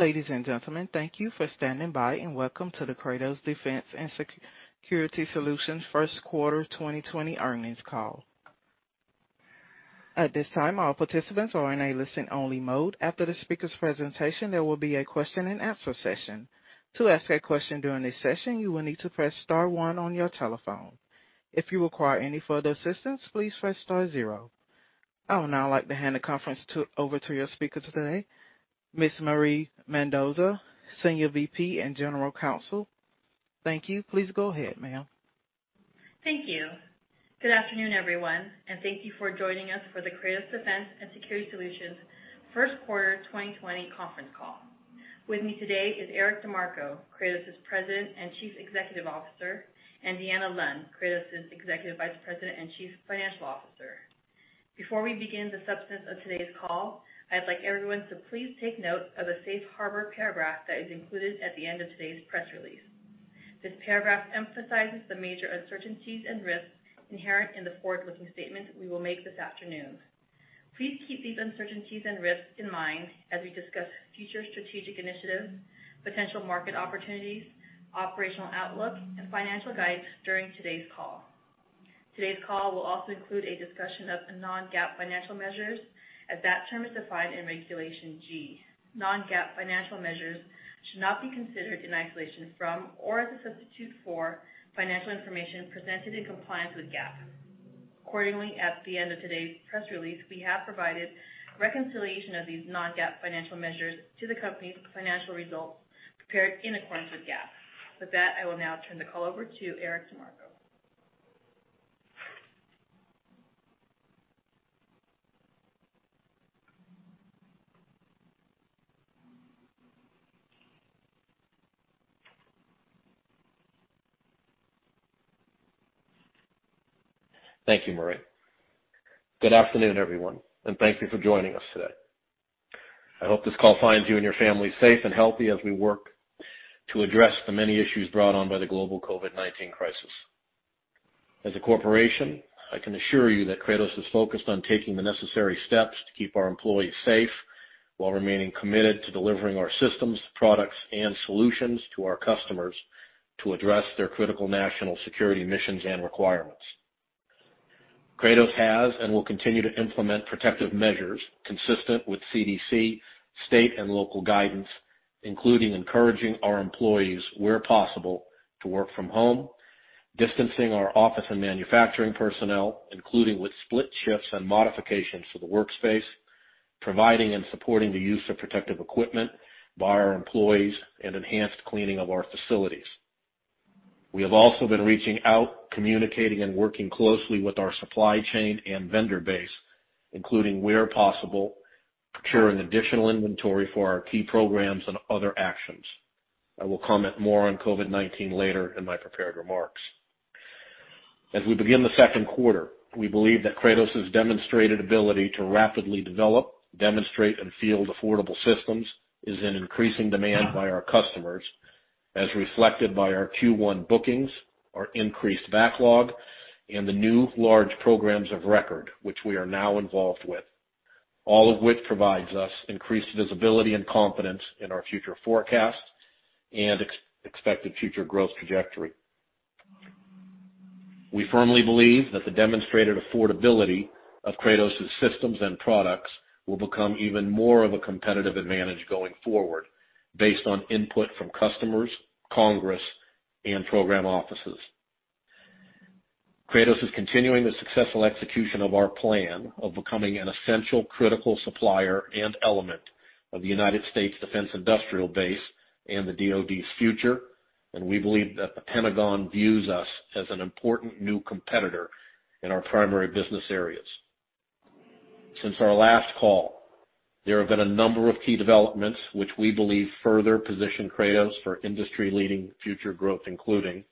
Ladies and gentlemen, thank you for standing by, and welcome to the Kratos Defense & Security Solutions First Quarter 2020 Earnings Call. At this time, all participants are in a listen-only mode. After the speaker's presentation, there will be a question-and-answer session. To ask a question during this session, you will need to press star one on your telephone. If you require any further assistance, please press star zero. I would now like to hand the conference over to your speaker today, Ms. Marie Mendoza, Senior VP and General Counsel. Thank you. Please go ahead, ma'am. Thank you. Good afternoon, everyone, thank you for joining us for the Kratos Defense & Security Solutions First Quarter 2020 Conference Call. With me today is Eric DeMarco, Kratos's President and Chief Executive Officer, and Deanna Lund, Kratos's Executive Vice President and Chief Financial Officer. Before we begin the substance of today's call, I'd like everyone to please take note of the safe harbor paragraph that is included at the end of today's press release. This paragraph emphasizes the major uncertainties and risks inherent in the forward-looking statement we will make this afternoon. Please keep these uncertainties and risks in mind as we discuss future strategic initiatives, potential market opportunities, operational outlook, and financial guides during today's call. Today's call will also include a discussion of non-GAAP financial measures as that term is defined in Regulation G. Non-GAAP financial measures should not be considered in isolation from or as a substitute for financial information presented in compliance with GAAP. Accordingly, at the end of today's press release, we have provided reconciliation of these non-GAAP financial measures to the company's financial results prepared in accordance with GAAP. With that, I will now turn the call over to Eric DeMarco. Thank you, Marie. Good afternoon, everyone, and thank you for joining us today. I hope this call finds you and your family safe and healthy as we work to address the many issues brought on by the global COVID-19 crisis. As a corporation, I can assure you that Kratos is focused on taking the necessary steps to keep our employees safe while remaining committed to delivering our systems, products, and solutions to our customers to address their critical national security missions and requirements. Kratos has and will continue to implement protective measures consistent with CDC, state, and local guidance, including encouraging our employees, where possible, to work from home, distancing our office and manufacturing personnel, including with split shifts and modifications to the workspace, providing and supporting the use of protective equipment by our employees, and enhanced cleaning of our facilities. We have also been reaching out, communicating, and working closely with our supply chain and vendor base, including, where possible, procuring additional inventory for our key programs and other actions. I will comment more on COVID-19 later in my prepared remarks. As we begin the second quarter, we believe that Kratos's demonstrated ability to rapidly develop, demonstrate, and field affordable systems is in increasing demand by our customers, as reflected by our Q1 bookings, our increased backlog, and the new large programs of record which we are now involved with. All of which provides us increased visibility and confidence in our future forecasts and expected future growth trajectory. We firmly believe that the demonstrated affordability of Kratos's systems and products will become even more of a competitive advantage going forward based on input from customers, Congress, and program offices. Kratos is continuing the successful execution of our plan of becoming an essential critical supplier and element of the United States Defense Industrial Base and the DoD's future, and we believe that The Pentagon views us as an important new competitor in our primary business areas. Since our last call, there have been a number of key developments which we believe further position Kratos for industry-leading future growth, including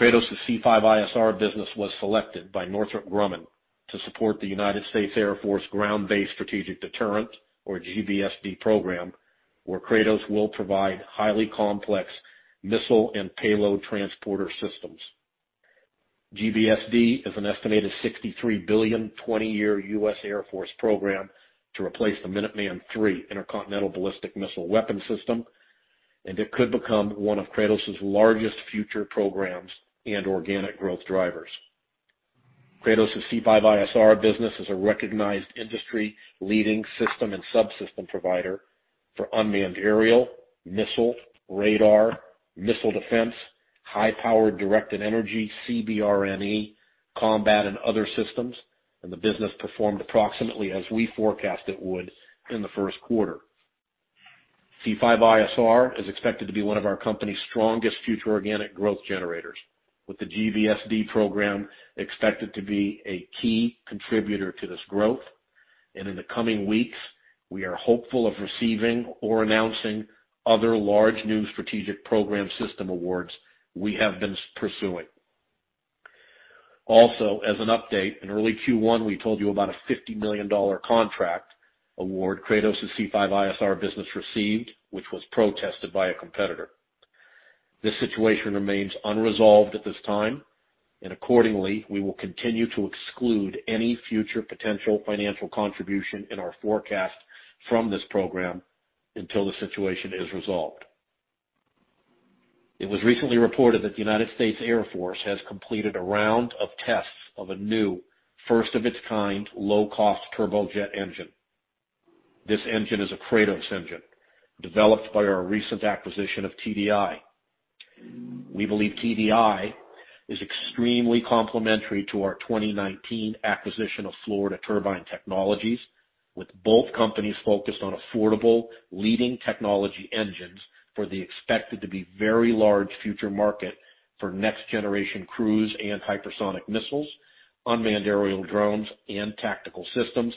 Kratos' C5ISR business was selected by Northrop Grumman to support the United States Air Force Ground-Based Strategic Deterrent, or GBSD program, where Kratos will provide highly complex missile and payload transporter systems. GBSD is an estimated $63 billion, 20-year U.S. Air Force program to replace the Minuteman III intercontinental ballistic missile weapon system, and it could become one of Kratos' largest future programs and organic growth drivers. Kratos' C5ISR business is a recognized industry-leading system and subsystem provider for unmanned aerial, missile, radar, missile defense, high-powered directed energy, CBRNE, combat, and other systems. The business performed approximately as we forecast it would in the first quarter. C5ISR is expected to be one of our company's strongest future organic growth generators, with the GBSD program expected to be a key contributor to this growth. In the coming weeks, we are hopeful of receiving or announcing other large new strategic program system awards we have been pursuing. Also, as an update, in early Q1, we told you about a $50 million contract award Kratos' C5ISR business received, which was protested by a competitor. This situation remains unresolved at this time. Accordingly, we will continue to exclude any future potential financial contribution in our forecast from this program until the situation is resolved. It was recently reported that the United States Air Force has completed a round of tests of a new, first of its kind, low-cost turbojet engine. This engine is a Kratos engine, developed by our recent acquisition of TDI. We believe TDI is extremely complementary to our 2019 acquisition of Florida Turbine Technologies, with both companies focused on affordable, leading technology engines for the expected to be very large future market for next-generation cruise and hypersonic missiles, unmanned aerial drones, and tactical systems,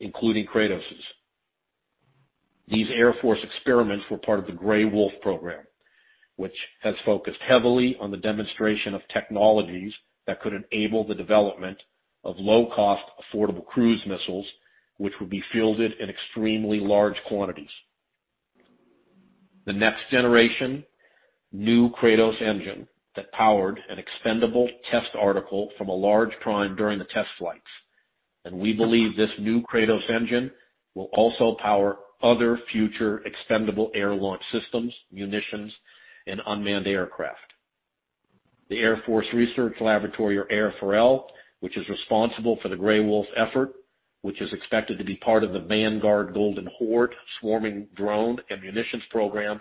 including Kratos's. These Air Force experiments were part of the Gray Wolf program, which has focused heavily on the demonstration of technologies that could enable the development of low-cost, affordable cruise missiles, which would be fielded in extremely large quantities. The next generation, new Kratos engine that powered an expendable test article from a large prime during the test flights. We believe this new Kratos engine will also power other future expendable air launch systems, munitions, and unmanned aircraft. The Air Force Research Laboratory, or AFRL, which is responsible for the Gray Wolf effort, which is expected to be part of the Vanguard Golden Horde swarming drone and munitions program,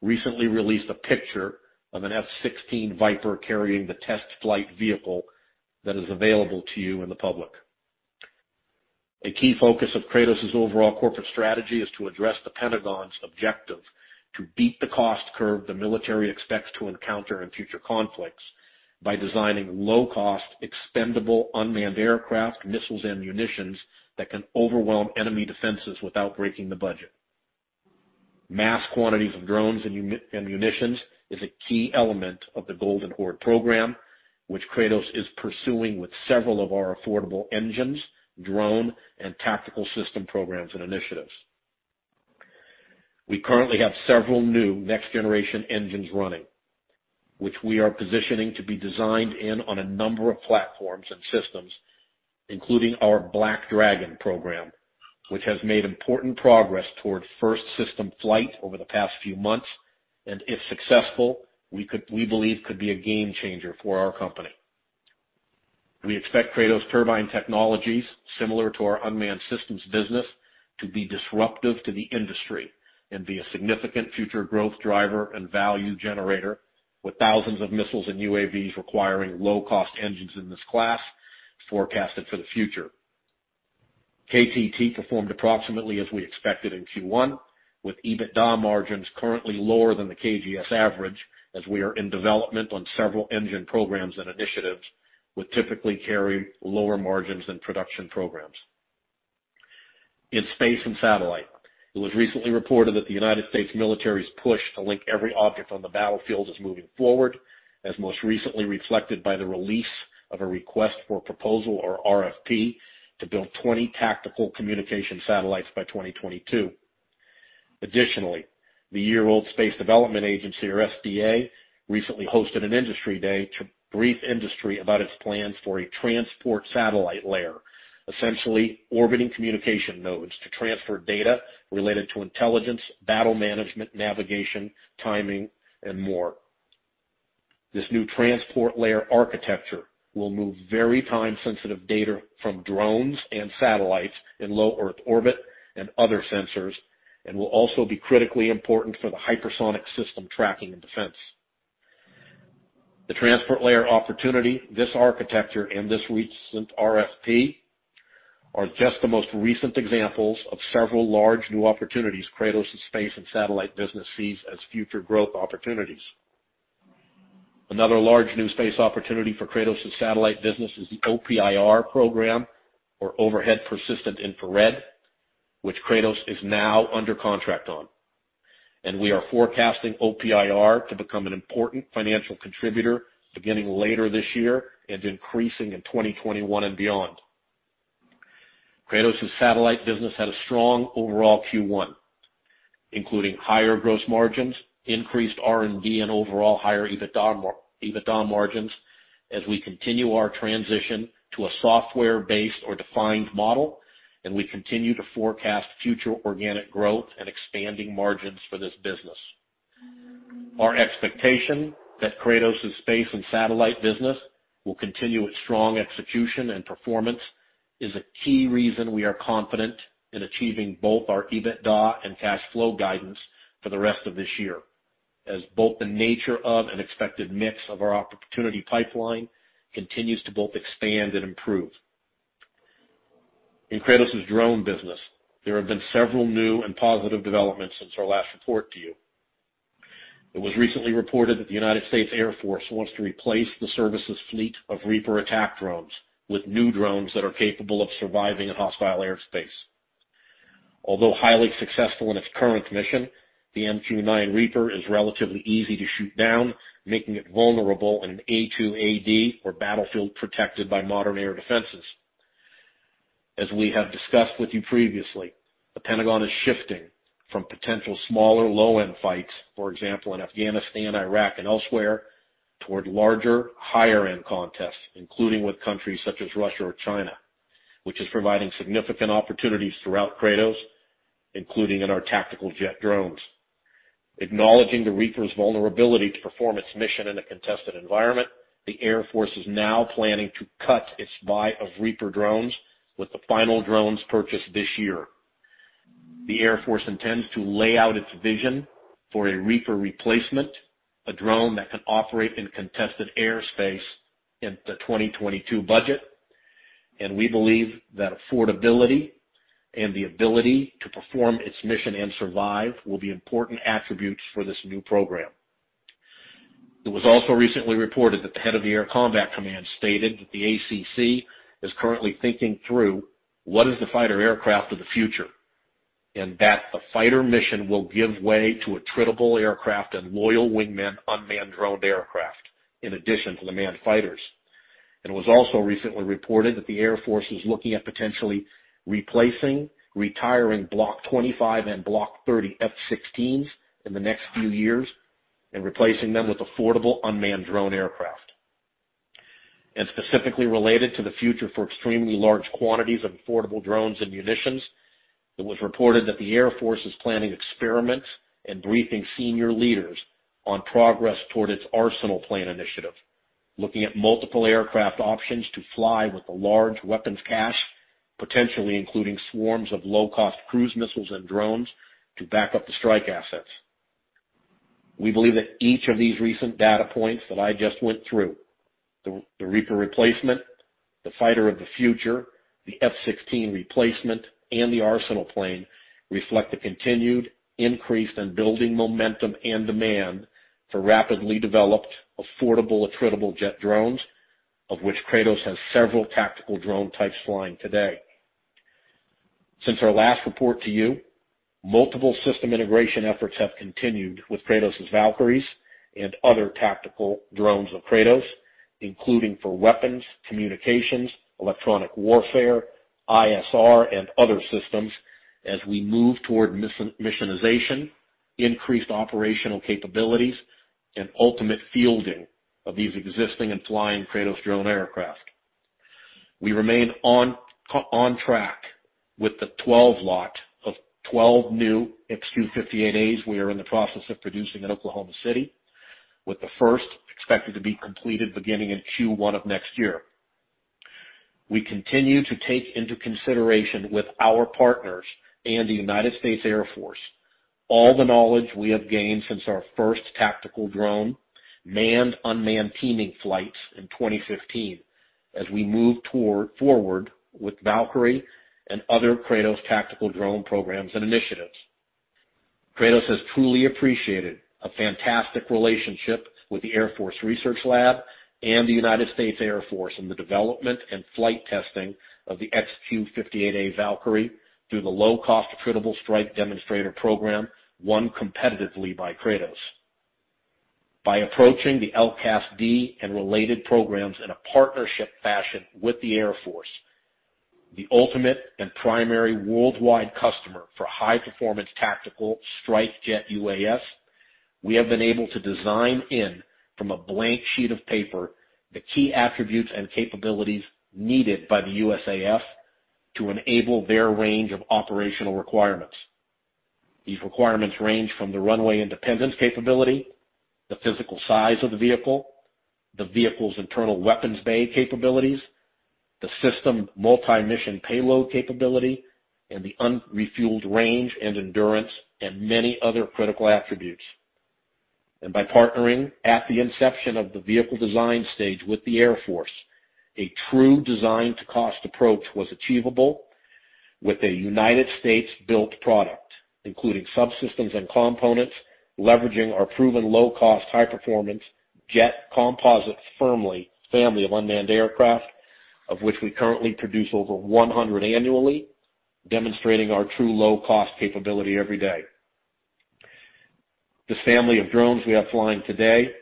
recently released a picture of an F-16 Viper carrying the test flight vehicle that is available to you and the public. A key focus of Kratos's overall corporate strategy is to address The Pentagon's objective to beat the cost curve the military expects to encounter in future conflicts by designing low-cost, expendable unmanned aircraft, missiles, and munitions that can overwhelm enemy defenses without breaking the budget. Mass quantities of drones and munitions is a key element of the Golden Horde program, which Kratos is pursuing with several of our affordable engines, drone, and tactical system programs and initiatives. We currently have several new next-generation engines running, which we are positioning to be designed in on a number of platforms and systems, including our Black Dragon program, which has made important progress toward first system flight over the past few months. If successful, we believe could be a game changer for our company. We expect Kratos Turbine Technologies, similar to our unmanned systems business, to be disruptive to the industry and be a significant future growth driver and value generator, with thousands of missiles and UAVs requiring low-cost engines in this class forecasted for the future. KTT performed approximately as we expected in Q1, with EBITDA margins currently lower than the KGS average, as we are in development on several engine programs and initiatives, which typically carry lower margins than production programs. In space and satellite, it was recently reported that the U.S. military's push to link every object on the battlefield is moving forward, as most recently reflected by the release of a request for proposal, or RFP, to build 20 tactical communication satellites by 2022. Additionally, the year-old Space Development Agency, or SDA, recently hosted an industry day to brief industry about its plans for a transport satellite layer, essentially orbiting communication nodes to transfer data related to intelligence, battle management, navigation, timing, and more. This new transport layer architecture will move very time-sensitive data from drones and satellites in low Earth orbit and other sensors and will also be critically important for the hypersonic system tracking and defense. The transport layer opportunity, this architecture, and this recent RFP are just the most recent examples of several large new opportunities Kratos' space and satellite business sees as future growth opportunities. Another large new space opportunity for Kratos' satellite business is the OPIR program, or Overhead Persistent Infrared, which Kratos is now under contract on. We are forecasting OPIR to become an important financial contributor beginning later this year and increasing in 2021 and beyond. Kratos' satellite business had a strong overall Q1, including higher gross margins, increased R&D, and overall higher EBITDA margins as we continue our transition to a software-based or defined model, and we continue to forecast future organic growth and expanding margins for this business. Our expectation that Kratos' space and satellite business will continue its strong execution and performance is a key reason we are confident in achieving both our EBITDA and cash flow guidance for the rest of this year, as both the nature of an expected mix of our opportunity pipeline continues to both expand and improve. In Kratos' drone business, there have been several new and positive developments since our last report to you. It was recently reported that the United States Air Force wants to replace the service's fleet of Reaper attack drones with new drones that are capable of surviving in hostile airspace. Although highly successful in its current mission, the MQ-9 Reaper is relatively easy to shoot down, making it vulnerable in an A2AD or battlefield protected by modern air defenses. As we have discussed with you previously, The Pentagon is shifting from potential smaller low-end fights, for example, in Afghanistan, Iraq, and elsewhere, toward larger, higher-end contests, including with countries such as Russia or China, which is providing significant opportunities throughout Kratos, including in our tactical jet drones. Acknowledging the Reaper's vulnerability to perform its mission in a contested environment, the Air Force is now planning to cut its buy of Reaper drones, with the final drones purchased this year. The Air Force intends to lay out its vision for a Reaper replacement, a drone that can operate in contested airspace in the 2022 budget. We believe that affordability and the ability to perform its mission and survive will be important attributes for this new program. It was also recently reported that the head of the Air Combat Command stated that the ACC is currently thinking through what is the fighter aircraft of the future, and that the fighter mission will give way to attritable aircraft and loyal wingmen unmanned drone aircraft, in addition to the manned fighters. It was also recently reported that the Air Force is looking at potentially replacing, retiring Block 25 and Block 30 F-16s in the next few years and replacing them with affordable unmanned drone aircraft. Specifically related to the future for extremely large quantities of affordable drones and munitions, it was reported that the Air Force is planning experiments and briefing senior leaders on progress toward its Arsenal Plane initiative, looking at multiple aircraft options to fly with a large weapons cache, potentially including swarms of low-cost cruise missiles and drones to back up the strike assets. We believe that each of these recent data points that I just went through, the Reaper replacement, the fighter of the future, the F-16 replacement, and the Arsenal Plane, reflect a continued increase in building momentum and demand for rapidly developed, affordable, attritable jet drones, of which Kratos has several tactical drone types flying today. Since our last report to you, multiple system integration efforts have continued with Kratos' Valkyries and other tactical drones of Kratos, including for weapons, communications, electronic warfare, ISR, and other systems as we move toward missionization, increased operational capabilities, and ultimate fielding of these existing and flying Kratos drone aircraft. We remain on track with the 12 lot of 12 new XQ-58As we are in the process of producing in Oklahoma City, with the first expected to be completed beginning in Q1 of next year. We continue to take into consideration with our partners and the United States Air Force all the knowledge we have gained since our first tactical drone, manned-unmanned teaming flights in 2015, as we move forward with Valkyrie and other Kratos tactical drone programs and initiatives. Kratos has truly appreciated a fantastic relationship with the Air Force Research Laboratory and the United States Air Force in the development and flight testing of the XQ-58A Valkyrie through the Low-Cost Attritable Strike Demonstrator program, won competitively by Kratos. By approaching the LCASD and related programs in a partnership fashion with the Air Force, the ultimate and primary worldwide customer for high-performance tactical strike jet UAS, we have been able to design in from a blank sheet of paper the key attributes and capabilities needed by the USAF to enable their range of operational requirements. These requirements range from the runway independence capability, the physical size of the vehicle, the vehicle's internal weapons bay capabilities, the system multi-mission payload capability, and the unrefueled range and endurance, and many other critical attributes. By partnering at the inception of the vehicle design stage with the Air Force, a true design-to-cost approach was achievable with a United States-built product, including subsystems and components, leveraging our proven low-cost, high-performance jet composite family of unmanned aircraft, of which we currently produce over 100 annually, demonstrating our true low-cost capability every day. This family of drones we have flying today,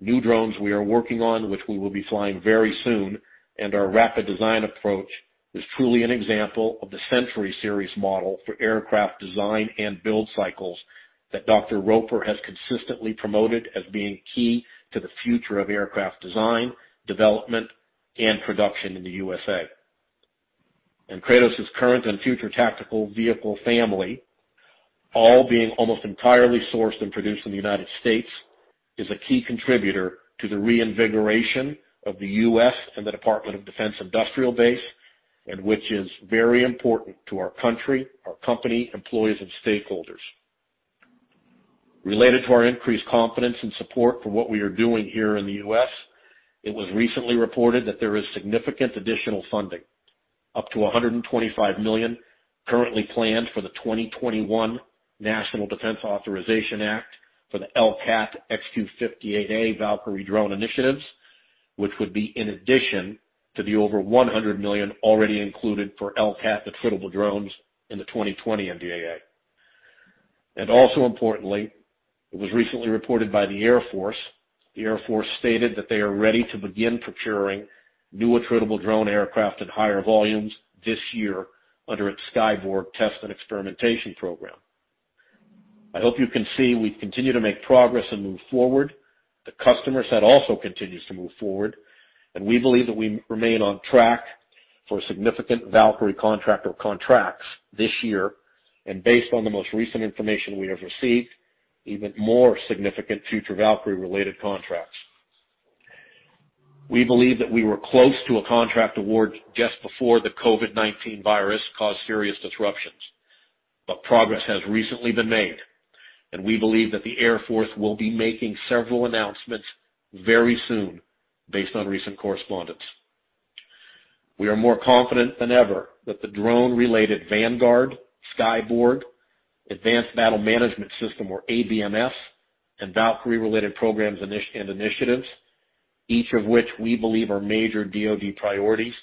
new drones we are working on which we will be flying very soon, and our rapid design approach is truly an example of the century series model for aircraft design and build cycles that Dr. Roper has consistently promoted as being key to the future of aircraft design, development, and production in the U.S.A. Kratos' current and future tactical vehicle family, all being almost entirely sourced and produced in the U.S., is a key contributor to the reinvigoration of the U.S. and the Department of Defense industrial base, and which is very important to our country, our company, employees, and stakeholders. Related to our increased confidence and support for what we are doing here in the U.S., it was recently reported that there is significant additional funding, up to $125 million currently planned for the 2021 National Defense Authorization Act for the LCAS XQ-58A Valkyrie drone initiatives, which would be in addition to the over $100 million already included for LCAS attritable drones in the 2020 NDAA. Also importantly, it was recently reported by the Air Force. The Air Force stated that they are ready to begin procuring new attritable drone aircraft at higher volumes this year under its Skyborg Test and Experimentation program. I hope you can see we continue to make progress and move forward. The customer set also continues to move forward. We believe that we remain on track for a significant Valkyrie contract or contracts this year. Based on the most recent information we have received, even more significant future Valkyrie-related contracts. We believe that we were close to a contract award just before the COVID-19 virus caused serious disruptions. Progress has recently been made. We believe that the Air Force will be making several announcements very soon based on recent correspondence. We are more confident than ever that the drone-related Vanguard, Skyborg, Advanced Battle Management System or ABMS, and Valkyrie-related programs and initiatives, each of which we believe are major DoD priorities,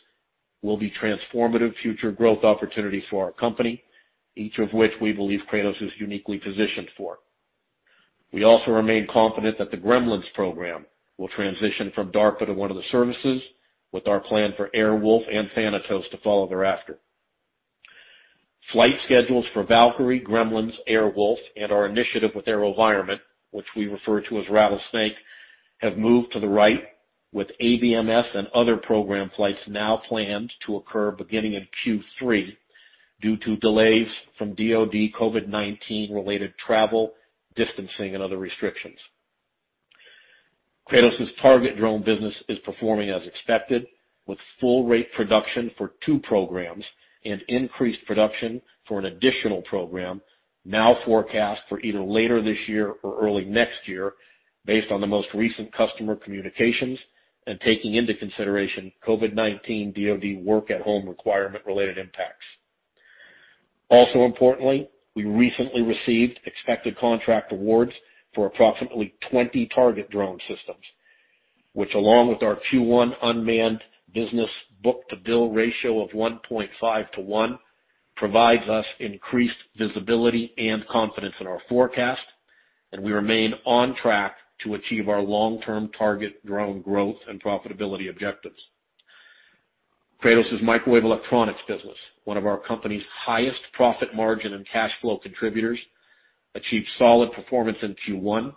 will be transformative future growth opportunities for our company, each of which we believe Kratos is uniquely positioned for. We also remain confident that the Gremlins program will transition from DARPA to one of the services with our plan for AirWolf and Thanatos to follow thereafter. Flight schedules for Valkyrie, Gremlins, AirWolf, and our initiative with AeroVironment, which we refer to as Rattlesnake, have moved to the right with ABMS and other program flights now planned to occur beginning in Q3 due to delays from DoD COVID-19 related travel, distancing, and other restrictions. Kratos' target drone business is performing as expected with full-rate production for two programs and increased production for an additional program now forecast for either later this year or early next year based on the most recent customer communications and taking into consideration COVID-19 DoD work-at-home requirement related impacts. Importantly, we recently received expected contract awards for approximately 20 target drone systems, which, along with our Q1 unmanned business book-to-bill ratio of 1.5:1, provides us increased visibility and confidence in our forecast, and we remain on track to achieve our long-term target drone growth and profitability objectives. Kratos' microwave electronics business, one of our company's highest profit margin and cash flow contributors, achieved solid performance in Q1,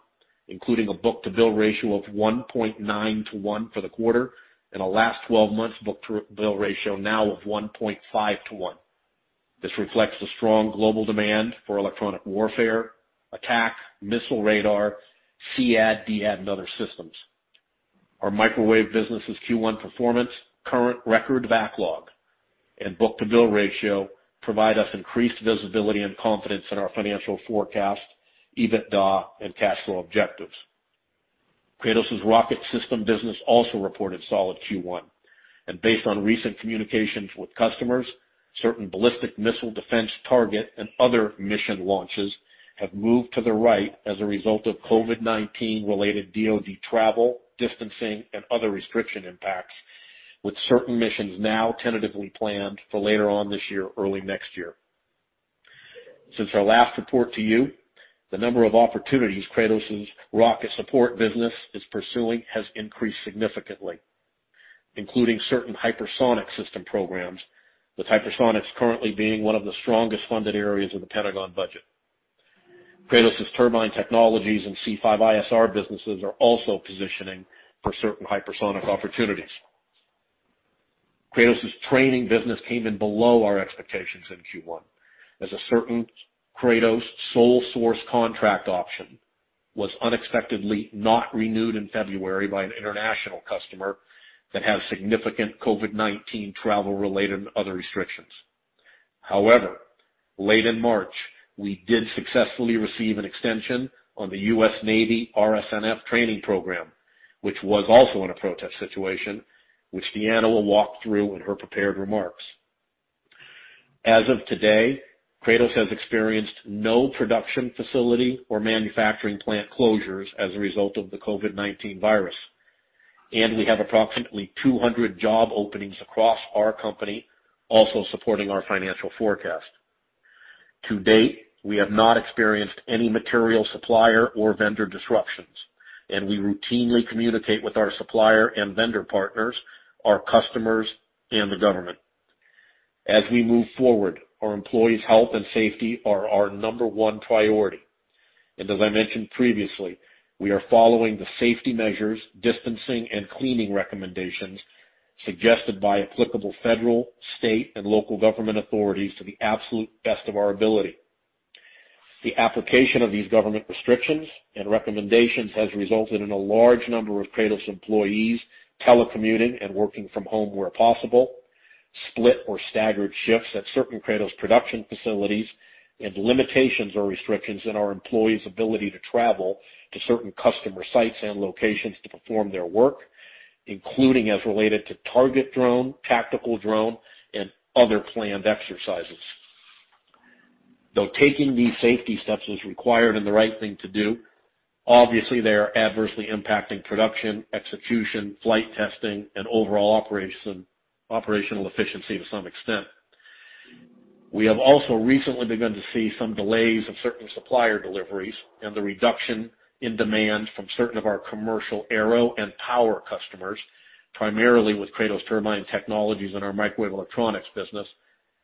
including a book-to-bill ratio of 1.9:1 for the quarter and a last 12 months book-to-bill ratio now of 1.1. This reflects the strong global demand for electronic warfare, attack, missile radar, SEAD/DEAD, and other systems. Our microwave business's Q1 performance, current record backlog, and book-to-bill ratio provide us increased visibility and confidence in our financial forecast, EBITDA, and cash flow objectives. Kratos' rocket system business also reported solid Q1. Based on recent communications with customers, certain ballistic missile defense target and other mission launches have moved to the right as a result of COVID-19 related DoD travel, distancing, and other restriction impacts with certain missions now tentatively planned for later on this year or early next year. Since our last report to you, the number of opportunities Kratos' rocket support business is pursuing has increased significantly, including certain hypersonic system programs, with hypersonics currently being one of the strongest funded areas of the Pentagon budget. Kratos' Turbine Technologies and C5ISR businesses are also positioning for certain hypersonic opportunities. Kratos' training business came in below our expectations in Q1 as a certain Kratos sole-source contract option was unexpectedly not renewed in February by an international customer that has significant COVID-19 travel-related and other restrictions. Late in March, we did successfully receive an extension on the U.S. Navy RSNF training program, which was also in a protest situation, which Deanna will walk through in her prepared remarks. As of today, Kratos has experienced no production facility or manufacturing plant closures as a result of the COVID-19 virus, and we have approximately 200 job openings across our company also supporting our financial forecast. To date, we have not experienced any material supplier or vendor disruptions, and we routinely communicate with our supplier and vendor partners, our customers, and the government. As we move forward, our employees' health and safety are our number one priority. As I mentioned previously, we are following the safety measures, distancing, and cleaning recommendations suggested by applicable federal, state, and local government authorities to the absolute best of our ability. The application of these government restrictions and recommendations has resulted in a large number of Kratos employees telecommuting and working from home where possible, split or staggered shifts at certain Kratos production facilities, and limitations or restrictions in our employees' ability to travel to certain customer sites and locations to perform their work, including as related to target drone, tactical drone, and other planned exercises. Though taking these safety steps is required and the right thing to do. Obviously, they are adversely impacting production, execution, flight testing, and overall operational efficiency to some extent. We have also recently begun to see some delays of certain supplier deliveries and the reduction in demand from certain of our commercial aero and power customers, primarily with Kratos Turbine Technologies and our microwave electronics business,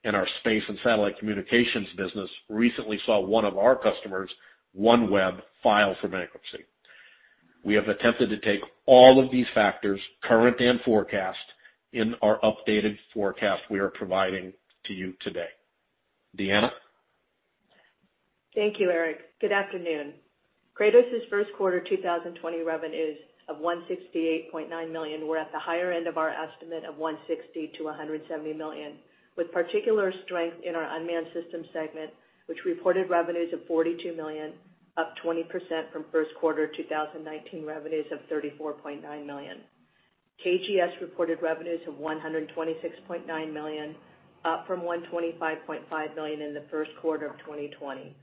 and our space and satellite communications business recently saw one of our customers, OneWeb, file for bankruptcy. We have attempted to take all of these factors, current and forecast, in our updated forecast we are providing to you today. Deanna? Thank you, Eric. Good afternoon. Kratos' first quarter 2020 revenues of $168.9 million were at the higher end of our estimate of $160 million-$170 million, with particular strength in our unmanned systems segment, which reported revenues of $42 million, up 20% from first quarter 2019 revenues of $34.9 million. KGS reported revenues of $126.9 million, up from $125.5 million in the first quarter of 2020.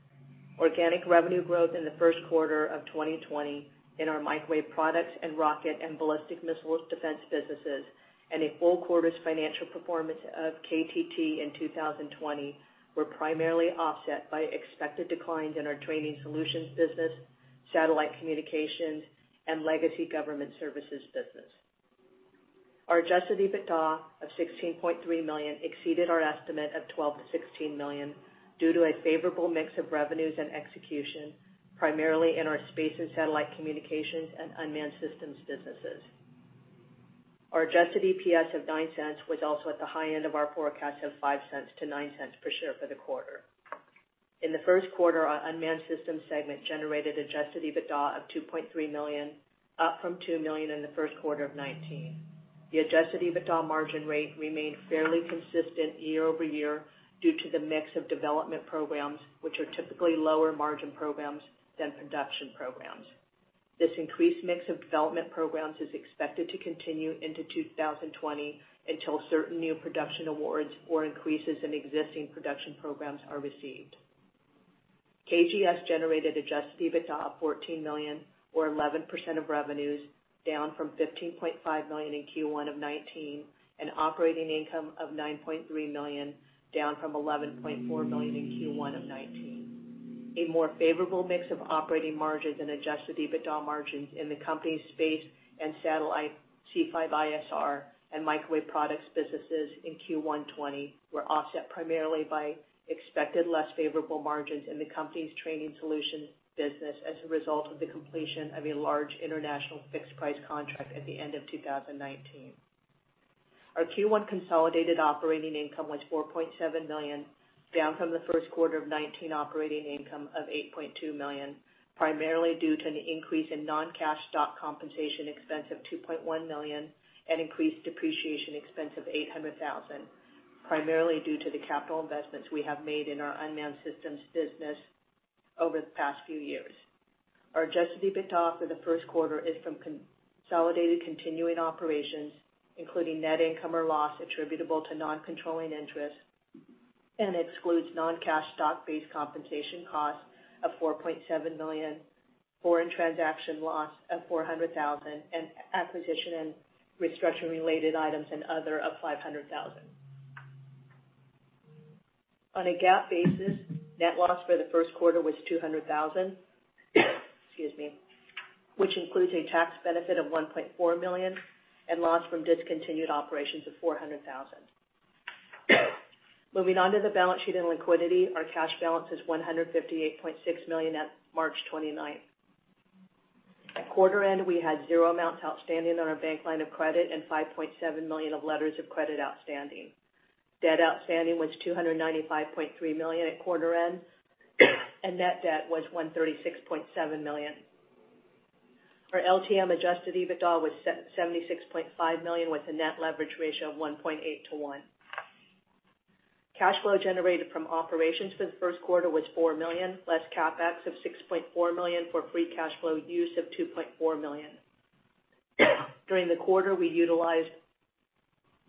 Organic revenue growth in the first quarter of 2020 in our microwave products and rocket and ballistic missile defense businesses, and a full quarter's financial performance of KTT in 2020 were primarily offset by expected declines in our training solutions business, satellite communications, and legacy government services business. Our adjusted EBITDA of $16.3 million exceeded our estimate of $12 million-$16 million due to a favorable mix of revenues and execution, primarily in our space and satellite communications and unmanned systems businesses. Our adjusted EPS of $0.09 was also at the high end of our forecast of $0.05-$0.09 per share for the quarter. In the first quarter, our Unmanned Systems segment generated adjusted EBITDA of $2.3 million, up from $2 million in the first quarter of 2019. The adjusted EBITDA margin rate remained fairly consistent year-over-year due to the mix of development programs, which are typically lower margin programs than production programs. This increased mix of development programs is expected to continue into 2020 until certain new production awards or increases in existing production programs are received. KGS generated adjusted EBITDA of $14 million, or 11% of revenues, down from $15.5 million in Q1 of 2019, and operating income of $9.3 million, down from $11.4 million in Q1 of 2019. A more favorable mix of operating margins and adjusted EBITDA margins in the company's space and satellite C5ISR and microwave products businesses in Q1 2020 were offset primarily by expected less favorable margins in the company's training solutions business as a result of the completion of a large international fixed-price contract at the end of 2019. Our Q1 consolidated operating income was $4.7 million, down from the first quarter of 2019 operating income of $8.2 million, primarily due to an increase in non-cash stock compensation expense of $2.1 million and increased depreciation expense of $800,000, primarily due to the capital investments we have made in our unmanned systems business over the past few years. Our adjusted EBITDA for the first quarter is from consolidated continuing operations, including net income or loss attributable to non-controlling interests, and excludes non-cash stock-based compensation costs of $4.7 million, foreign transaction loss of $400,000, and acquisition and restructuring related items and other of $500,000. On a GAAP basis, net loss for the first quarter was $200,000, which includes a tax benefit of $1.4 million and loss from discontinued operations of $400,000. Moving on to the balance sheet and liquidity, our cash balance is $158.6 million at March 29th. At quarter end, we had zero amounts outstanding on our bank line of credit and $5.7 million of letters of credit outstanding. Debt outstanding was $295.3 million at quarter end. Net debt was $136.7 million. Our LTM adjusted EBITDA was $76.5 million with a net leverage ratio of 1.8:1. Cash flow generated from operations for the first quarter was $4 million, less CapEx of $6.4 million for free cash flow use of $2.4 million. During the quarter, we utilized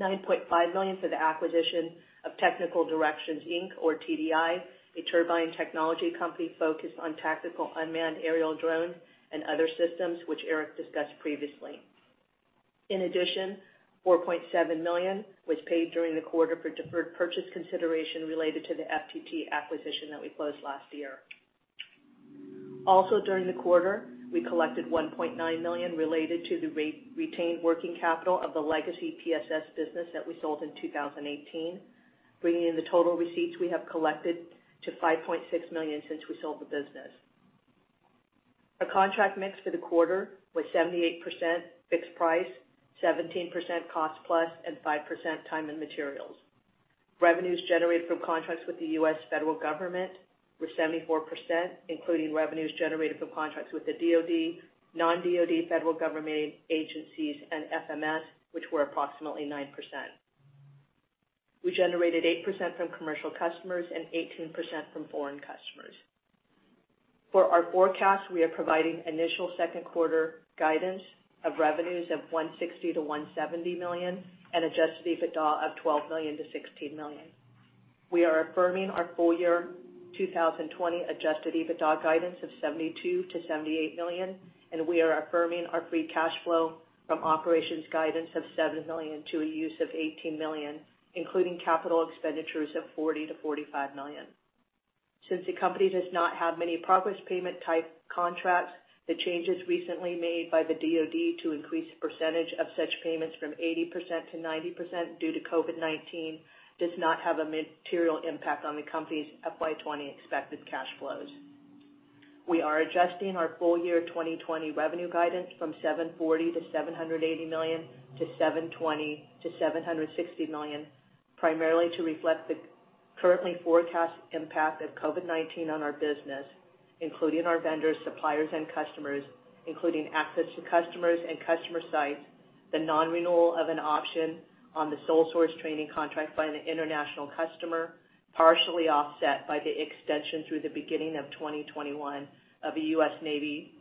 $9.5 million for the acquisition of Technical Directions, Inc., or TDI, a turbine technology company focused on tactical unmanned aerial drones and other systems, which Eric discussed previously. $4.7 million was paid during the quarter for deferred purchase consideration related to the FTT acquisition that we closed last year. During the quarter, we collected $1.9 million related to the retained working capital of the legacy PSS business that we sold in 2018, bringing in the total receipts we have collected to $5.6 million since we sold the business. Our contract mix for the quarter was 78% fixed price, 17% cost plus, and 5% time and materials. Revenues generated from contracts with the U.S. federal government were 74%, including revenues generated from contracts with the DoD, non-DoD federal government agencies, and FMS, which were approximately 9%. We generated 8% from commercial customers and 18% from foreign customers. For our forecast, we are providing initial second quarter guidance of revenues of $160 million-$170 million and adjusted EBITDA of $12 million-$16 million. We are affirming our full year 2020 adjusted EBITDA guidance of $72 million-$78 million. We are affirming our free cash flow from operations guidance of $7 million to a use of $18 million, including capital expenditures of $40 million-$45 million. Since the company does not have many progress payment type contracts, the changes recently made by the DoD to increase percentage of such payments from 80%-90% due to COVID-19 does not have a material impact on the company's FY 2020 expected cash flows. We are adjusting our full year 2020 revenue guidance from $740 million-$780 million to $720 million-$760 million, primarily to reflect the currently forecast impact of COVID-19 on our business, including our vendors, suppliers, and customers, including access to customers and customer sites, the non-renewal of an option on the sole source training contract by an international customer, partially offset by the extension through the beginning of 2021 of a U.S. Navy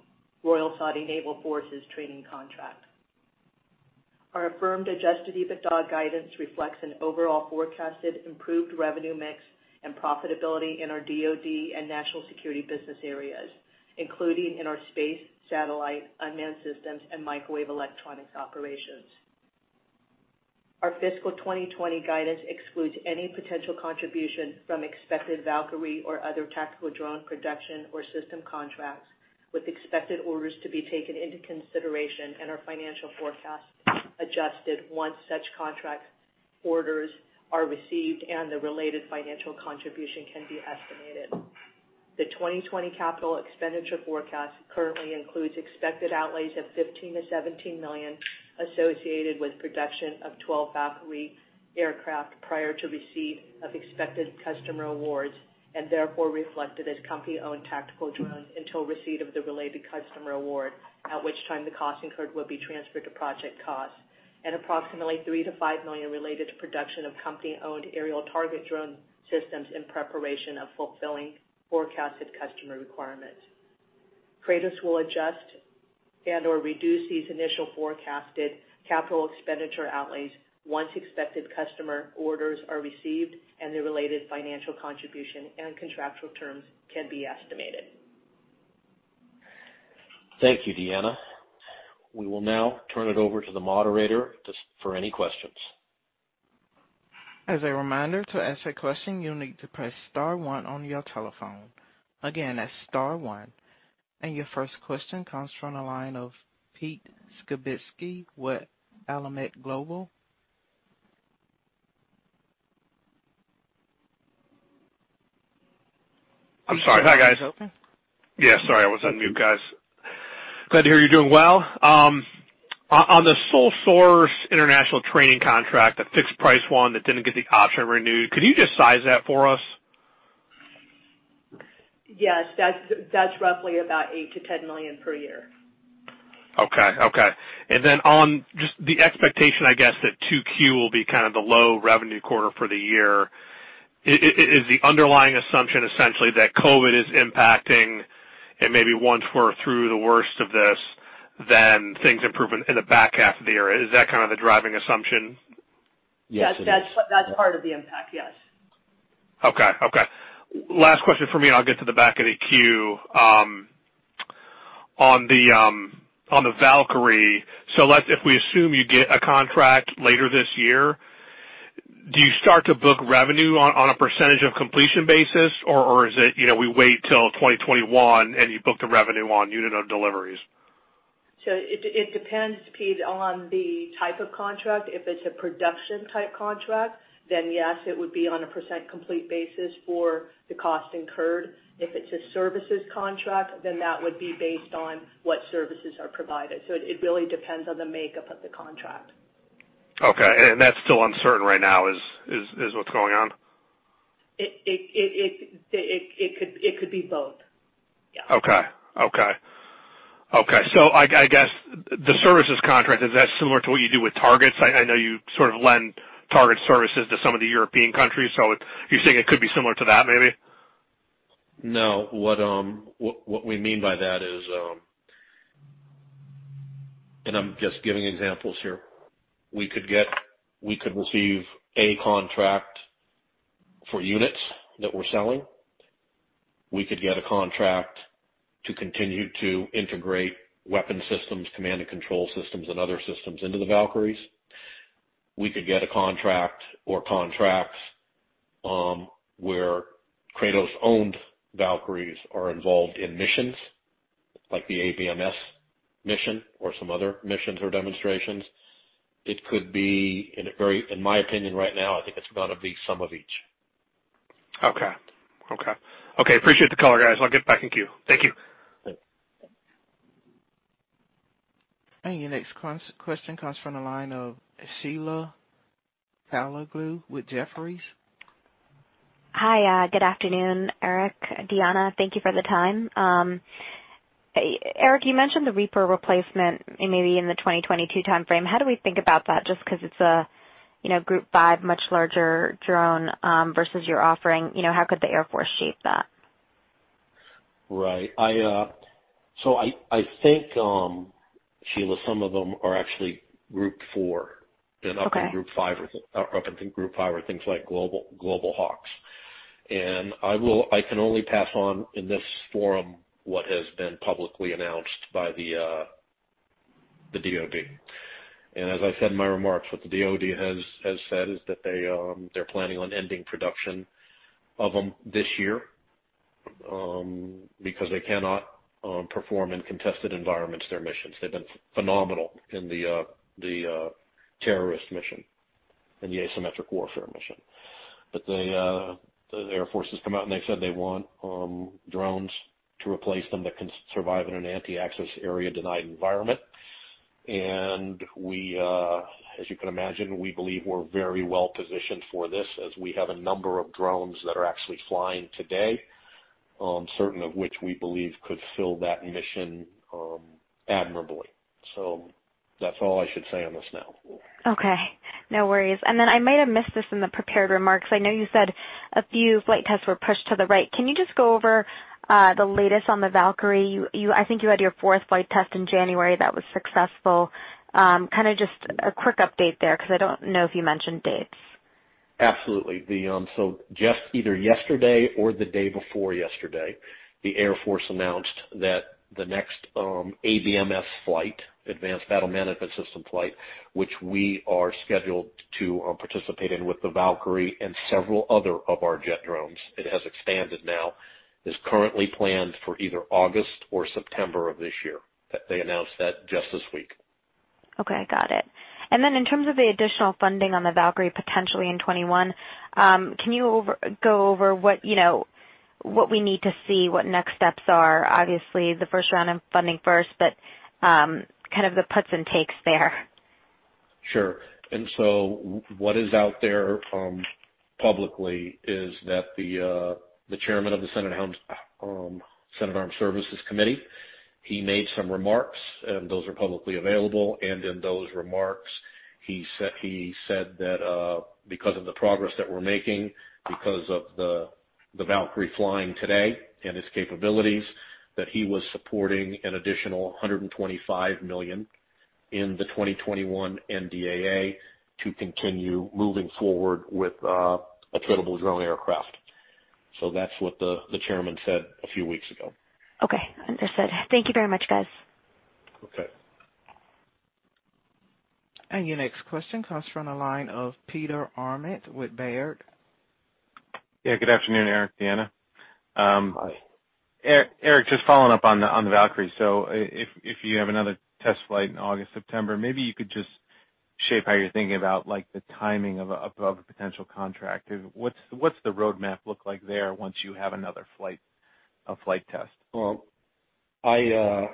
Royal Saudi Naval Forces training contract. Our affirmed adjusted EBITDA guidance reflects an overall forecasted improved revenue mix and profitability in our DoD and national security business areas, including in our space, satellite, unmanned systems, and microwave electronics operations. Our fiscal 2020 guidance excludes any potential contribution from expected Valkyrie or other tactical drone production or system contracts, with expected orders to be taken into consideration in our financial forecast adjusted once such contract orders are received and the related financial contribution can be estimated. The 2020 capital expenditure forecast currently includes expected outlays of $15 million-$17 million associated with production of 12 Valkyrie aircraft prior to receipt of expected customer awards, and therefore reflected as company-owned tactical drones until receipt of the related customer award, at which time the cost incurred will be transferred to project costs. Approximately $3 million-$5 million related to production of company-owned aerial target drone systems in preparation of fulfilling forecasted customer requirements. Kratos will adjust and/or reduce these initial forecasted capital expenditure outlays once expected customer orders are received and the related financial contribution and contractual terms can be estimated. Thank you, Deanna. We will now turn it over to the moderator for any questions. As a reminder, to ask a question, you'll need to press star one on your telephone. Again, that's star one. Your first question comes from the line of Peter Skibitski with Alembic Global. I'm sorry. Hi, guys. Yeah, sorry, I was on mute, guys. Glad to hear you're doing well. On the sole source international training contract, that fixed price one that didn't get the option renewed, could you just size that for us? Yes. That's roughly about $8 million-$10 million per year. Okay. On just the expectation, I guess, that 2Q will be kind of the low revenue quarter for the year. Is the underlying assumption essentially that COVID is impacting, and maybe once we're through the worst of this, then things improve in the back half of the year? Is that kind of the driving assumption? Yes, it is. That's part of the impact, yes. Okay. Last question for me. I'll get to the back of the queue. On the Valkyrie, if we assume you get a contract later this year, do you start to book revenue on a percentage of completion basis, or is it we wait till 2021, and you book the revenue on unit of deliveries? It depends, Peter, on the type of contract. If it's a production type contract, yes, it would be on a percent complete basis for the cost incurred. If it's a services contract, that would be based on what services are provided. It really depends on the makeup of the contract. Okay. That's still uncertain right now, is what's going on? It could be both. Yeah. Okay. I guess the services contract, is that similar to what you do with targets? I know you sort of lend target services to some of the European countries. You're saying it could be similar to that, maybe? No. What we mean by that is, I'm just giving examples here. We could receive a contract for units that we're selling. We could get a contract to continue to integrate weapon systems, command and control systems, and other systems into the Valkyries. We could get a contract or contracts where Kratos-owned Valkyries are involved in missions like the ABMS mission or some other missions or demonstrations. It could be in a very, in my opinion right now, I think it's going to be some of each. Okay. Appreciate the color, guys. I'll get back in queue. Thank you. Thanks. Your next question comes from the line of Sheila Kahyaoglu with Jefferies. Hi. Good afternoon, Eric, Deanna. Thank you for the time. Eric, you mentioned the Reaper replacement maybe in the 2022 timeframe. How do we think about that? Just because it's a Group 5 much larger drone, versus your offering, how could the Air Force shape that? Right. I think, Sheila, some of them are actually Group 4. Okay. Up in Group 5 are things like Global Hawks. I can only pass on, in this forum, what has been publicly announced by the DoD. As I said in my remarks, what the DoD has said is that they're planning on ending production of them this year, because they cannot perform in contested environments, their missions. They've been phenomenal in the terrorist mission and the asymmetric warfare mission. The Air Force has come out, and they said they want drones to replace them that can survive in an Anti-Access, Area-Denied environment. As you can imagine, we believe we're very well-positioned for this, as we have a number of drones that are actually flying today, certain of which we believe could fill that mission admirably. That's all I should say on this now. Okay, no worries. I might have missed this in the prepared remarks. I know you said a few flight tests were pushed to the right. Can you just go over the latest on the Valkyrie? I think you had your fourth flight test in January that was successful. Kind of just a quick update there, because I don't know if you mentioned dates. Absolutely. Just either yesterday or the day before yesterday, the Air Force announced that the next ABMS flight, Advanced Battle Management System flight, which we are scheduled to participate in with the Valkyrie and several other of our jet drones, it has expanded now, is currently planned for either August or September of this year. They announced that just this week. Okay. Got it. In terms of the additional funding on the Valkyrie potentially in 2021, can you go over what we need to see, what next steps are? Obviously, the first round of funding first, but kind of the puts and takes there. Sure. What is out there publicly is that the chairman of the Senate Armed Services Committee, he made some remarks, and those are publicly available. In those remarks, he said that because of the progress that we're making, because of the Valkyrie flying today and its capabilities, that he was supporting an additional $125 million in the 2021 NDAA to continue moving forward with attritable drone aircraft. That's what the chairman said a few weeks ago. Okay. Understood. Thank you very much, guys. Okay. Your next question comes from the line of Peter Arment with Baird. Good afternoon, Eric, Deanna. Hi. Eric, just following up on the Valkyrie. If you have another test flight in August, September, maybe you could just shape how you're thinking about the timing of a potential contract. What's the roadmap look like there once you have another flight test? Well, I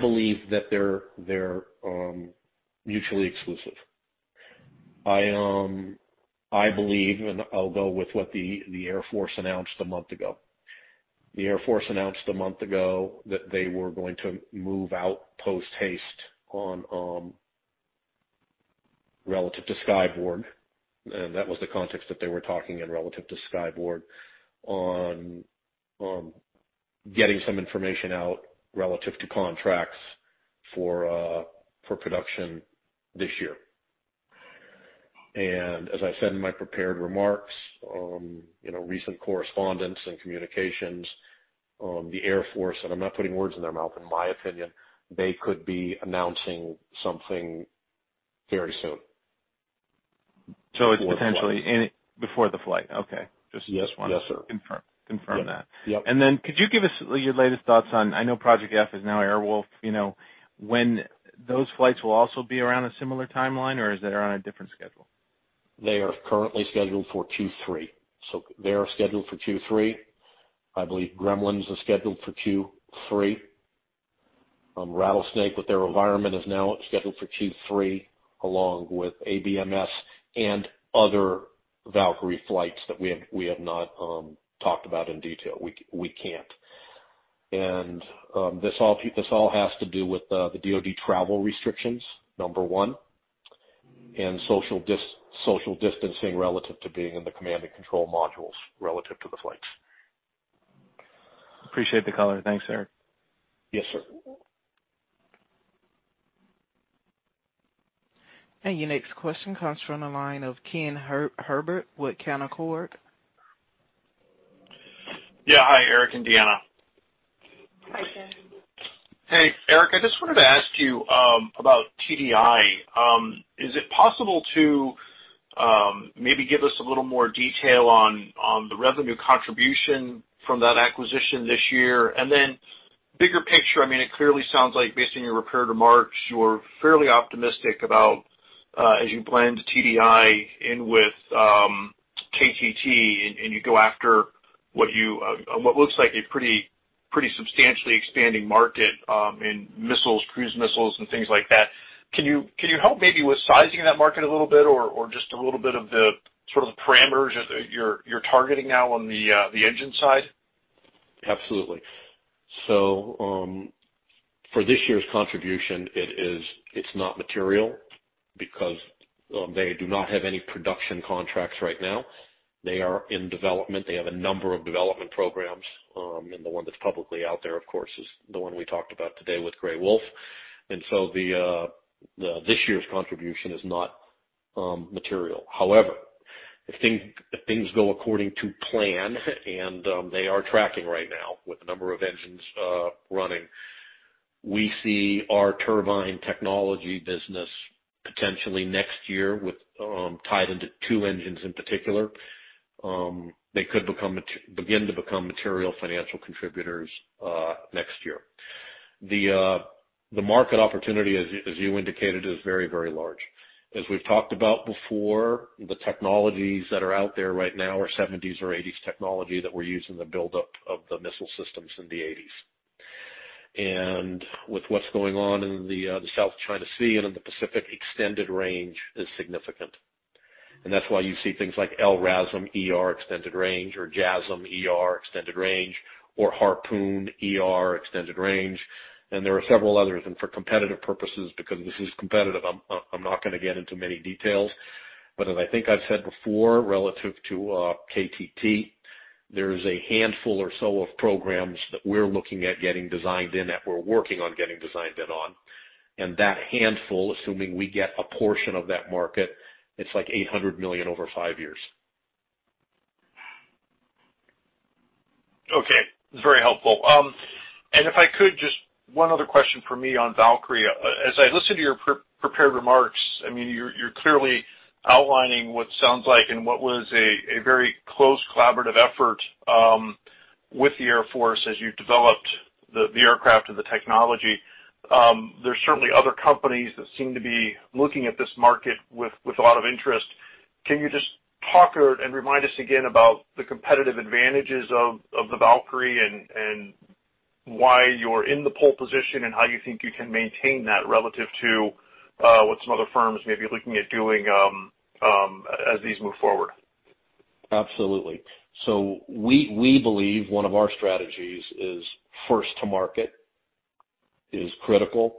believe that they're mutually exclusive. I believe, and I'll go with what the Air Force announced a month ago. The Air Force announced a month ago that they were going to move out post haste Relative to Skyborg, and that was the context that they were talking in relative to Skyborg, on getting some information out relative to contracts for production this year. As I said in my prepared remarks, recent correspondence and communications, the Air Force, and I'm not putting words in their mouth, in my opinion, they could be announcing something very soon. It's potentially before the flight. Okay. Yes, sir. Just wanted to confirm that. Yep. Could you give us your latest thoughts on, I know Project F is now AirWolf. When those flights will also be around a similar timeline, or is that on a different schedule? They are currently scheduled for Q3. They are scheduled for Q3. I believe Gremlins is scheduled for Q3. Rattlesnake, with AeroVironment, is now scheduled for Q3, along with ABMS and other Valkyrie flights that we have not talked about in detail. We can't. This all has to do with the DoD travel restrictions, number one, and social distancing relative to being in the command and control modules relative to the flights. Appreciate the color. Thanks, Eric. Yes, sir. Your next question comes from the line of Ken Herbert with Canaccord. Yeah. Hi, Eric and Deanna. Hi, Ken. Hey, Eric, I just wanted to ask you about TDI. Is it possible to maybe give us a little more detail on the revenue contribution from that acquisition this year? Then bigger picture, it clearly sounds like based on your prepared remarks, you're fairly optimistic about as you blend TDI in with KTT, and you go after what looks like a pretty substantially expanding market in missiles, cruise missiles, and things like that. Can you help maybe with sizing that market a little bit or just a little bit of the sort of the parameters you're targeting now on the engine side? Absolutely. For this year's contribution, it's not material because they do not have any production contracts right now. They are in development. They have a number of development programs. The one that's publicly out there, of course, is the one we talked about today with Gray Wolf. This year's contribution is not material. However, if things go according to plan, and they are tracking right now with a number of engines running, we see our turbine technology business potentially next year, tied into two engines in particular. They could begin to become material financial contributors next year. The market opportunity, as you indicated, is very large. As we've talked about before, the technologies that are out there right now are '70s or '80s technology that were used in the buildup of the missile systems in the '80s. With what's going on in the South China Sea and in the Pacific, extended range is significant. That's why you see things like LRASM-ER, extended range, or JASSM-ER, extended range, or Harpoon-ER, extended range. There are several others, and for competitive purposes, because this is competitive, I'm not going to get into many details. As I think I've said before, relative to KTT, there's a handful or so of programs that we're looking at getting designed in, that we're working on getting designed in on. That handful, assuming we get a portion of that market, it's like $800 million over five years. Okay. Very helpful. If I could, just one other question from me on Valkyrie. As I listened to your prepared remarks, you're clearly outlining what sounds like, and what was a very close collaborative effort with the Air Force as you developed the aircraft and the technology. There's certainly other companies that seem to be looking at this market with a lot of interest. Can you just talk and remind us again about the competitive advantages of the Valkyrie, and why you're in the pole position, and how you think you can maintain that relative to what some other firms may be looking at doing as these move forward? Absolutely. We believe one of our strategies is first-to-market, is critical,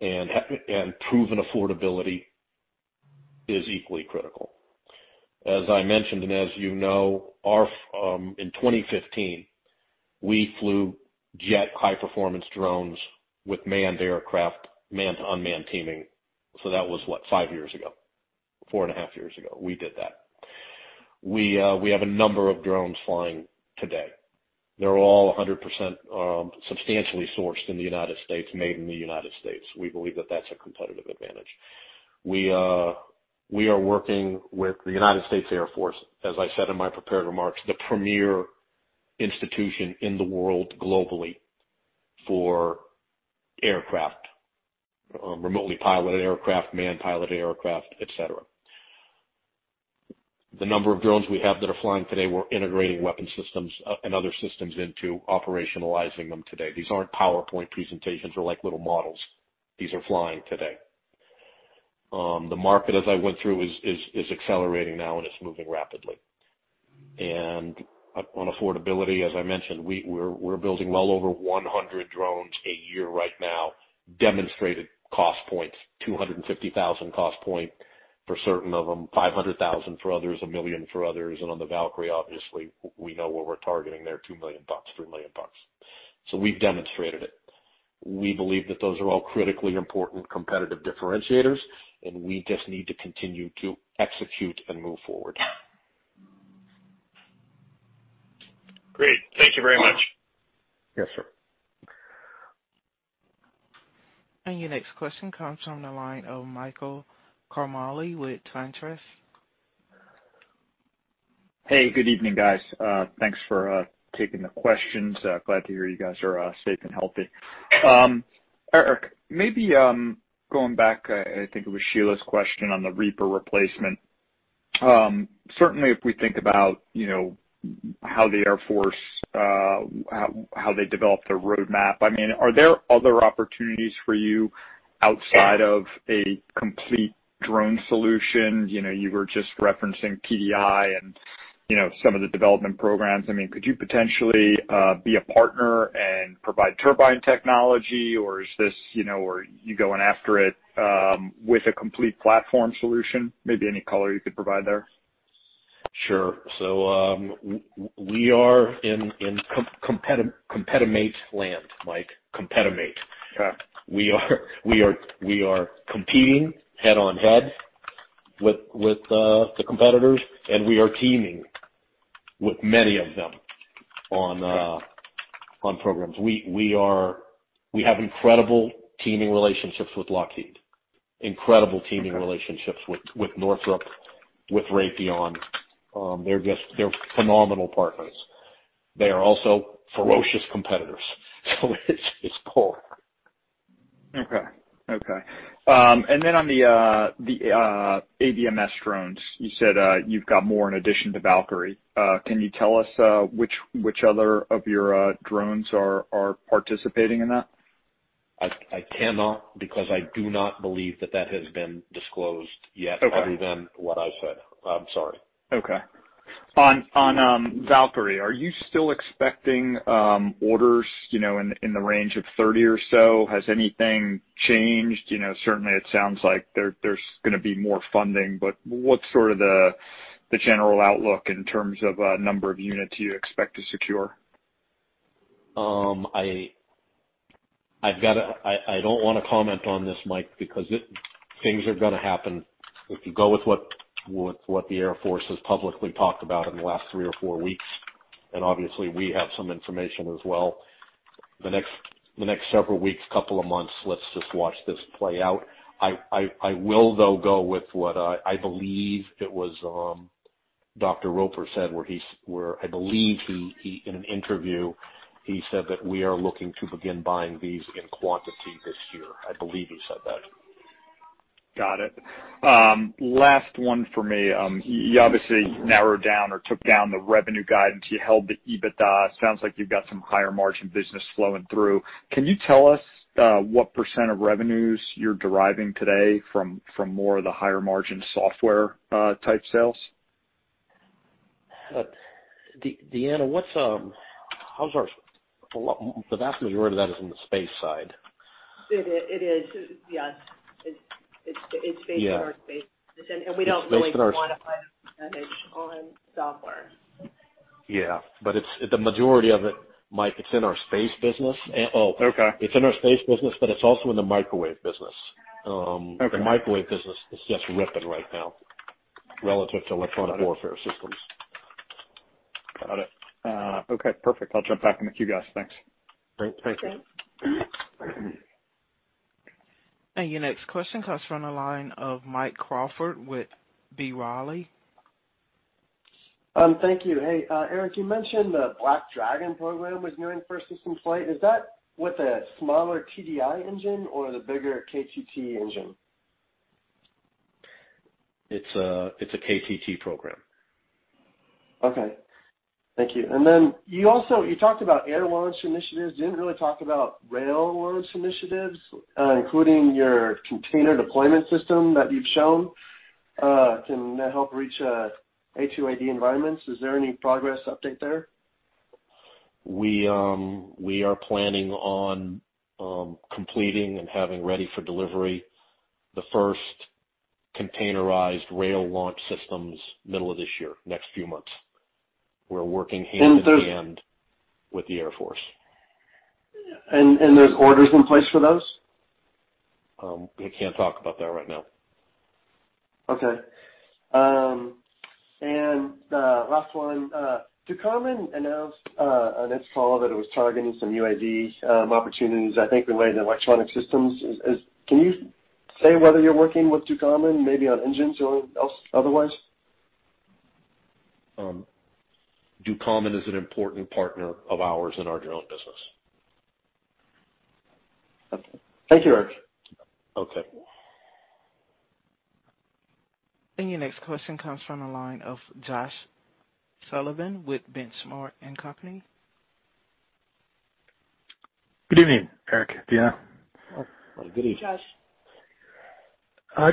and proven affordability is equally critical. As I mentioned, and as you know, in 2015, we flew jet high-performance drones with manned aircraft, manned-unmanned teaming. That was what? five years ago. Four and a half years ago, we did that. We have a number of drones flying today. They're all 100% substantially sourced in the United States, made in the United States. We believe that that's a competitive advantage. We are working with the United States Air Force, as I said in my prepared remarks, the premier institution in the world globally for aircraft, remotely piloted aircraft, manned piloted aircraft, et cetera. The number of drones we have that are flying today, we're integrating weapon systems and other systems into operationalizing them today. These aren't PowerPoint presentations or little models. These are flying today. The market, as I went through, is accelerating now, and it's moving rapidly. On affordability, as I mentioned, we're building well over 100 drones a year right now. Demonstrated cost points, $250,000 cost point for certain of them, $500,000 for others, $1 million for others. On the Valkyrie, obviously, we know what we're targeting there, $2 million, $3 million. We've demonstrated it. We believe that those are all critically important competitive differentiators, and we just need to continue to execute and move forward. Great. Thank you very much. Yes, sir. Your next question comes from the line of Michael Ciarmoli with Truist. Hey, good evening, guys. Thanks for taking the questions. Glad to hear you guys are safe and healthy. Eric, maybe going back, I think it was Sheila's question on the Reaper replacement. Certainly, if we think about how the Air Force, how they developed their roadmap, are there other opportunities for you outside of a complete drone solution? You were just referencing TDI and some of the development programs. Could you potentially be a partner and provide turbine technology, or are you going after it with a complete platform solution? Maybe any color you could provide there? Sure. We are in coopetition land, Mike. Competimate. Okay. We are competing head-on head with the competitors, and we are teaming with many of them on programs. We have incredible teaming relationships with Lockheed, incredible teaming relationships with Northrop, with Raytheon. They're phenomenal partners. They are also ferocious competitors. It's both. Okay. On the ABMS drones, you said you've got more in addition to Valkyrie. Can you tell us which other of your drones are participating in that? I cannot because I do not believe that that has been disclosed yet other than what I said. I'm sorry. Okay. On Valkyrie, are you still expecting orders in the range of 30 or so? Has anything changed? Certainly, it sounds like there's going to be more funding, but what's sort of the general outlook in terms of number of units you expect to secure? I don't want to comment on this, Mike, because things are going to happen. If you go with what the Air Force has publicly talked about in the last three or four weeks, and obviously we have some information as well, the next several weeks, couple of months, let's just watch this play out. I will, though, go with what I believe it was Will Roper said, where I believe in an interview, he said that we are looking to begin buying these in quantity this year. I believe he said that. Got it. Last one for me. You obviously narrowed down or took down the revenue guidance. You held the EBITDA. Sounds like you've got some higher margin business flowing through. Can you tell us what percent of revenues you're deriving today from more of the higher margin software type sales? Deanna, the vast majority of that is in the space side. It is, yes. It's based in our space. Yeah. We don't really quantify the percent on software. Yeah. The majority of it, Mike, it's in our space business. Okay. It's in our space business, but it's also in the microwave business. Okay. The microwave business is just ripping right now relative to electronic warfare systems. Got it. Okay, perfect. I'll jump back in the queue, guys. Thanks. Great. Thank you. Great. Your next question comes from the line of Mike Crawford with B. Riley. Thank you. Hey, Eric, you mentioned the Black Dragon program was nearing first system flight. Is that with a smaller TDI engine or the bigger KTT engine? It's a KTT program. Okay. Thank you. You talked about air launch initiatives. You didn't really talk about rail launch initiatives, including your container deployment system that you've shown, can that help reach A2/AD environments? Is there any progress update there? We are planning on completing and having ready for delivery, the first containerized rail launch systems middle of this year, next few months. We're working hand in hand with the Air Force. There's orders in place for those? I can't talk about that right now. Okay. Last one. Ducommun announced on its call that it was targeting some UAV opportunities, I think related to electronic systems. Can you say whether you're working with Ducommun, maybe on engines or else otherwise? Ducommun is an important partner of ours in our drone business. Okay. Thank you, Eric. Okay. Your next question comes from the line of Josh Sullivan with The Benchmark Company. Good evening, Eric, Deanna. Good evening. Josh.